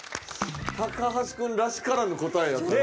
高橋くんらしからぬ答えやったね。